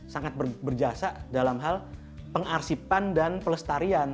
sangat berjasa dalam hal pengarsipan dan pelestarian